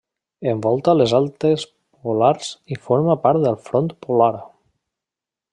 Envolta les altes polars i forma part del front polar.